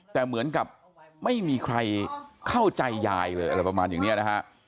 แต่เหมือนกับไม่มีใครเข้าใจยายเลยอะไรประมาณอย่างนี้นะฮะ